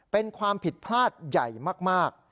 เป็นความผิดพลาดใหญ่มาก